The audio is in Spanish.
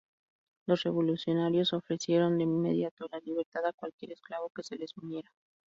Los revolucionarios ofrecieron de inmediato la libertad a cualquier esclavo que se les uniera.